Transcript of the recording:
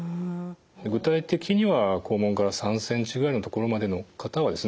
具体的には肛門から３ｃｍぐらいの所までの方はですね